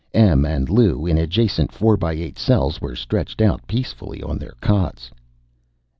Em and Lou, in adjacent four by eight cells, were stretched out peacefully on their cots.